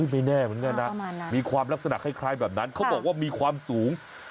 เผลอสูงกว่าคนสูงกว่าฝน